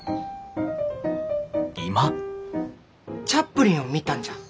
チャップリンを見たんじゃ。